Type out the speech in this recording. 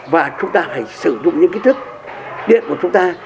và chúng ta phải sử dụng những kích thước điện của chúng ta